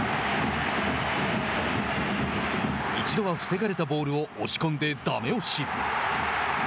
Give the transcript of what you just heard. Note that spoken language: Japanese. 一度は防がれたボールを押し込んでダメ押し。